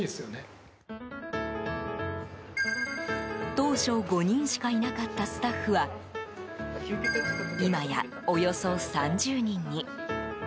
当初５人しかいなかったスタッフは今や、およそ３０人に。